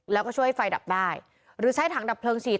แล้วก็ช่วยไฟดับได้หรือใช้ถังดับเพลิงฉีด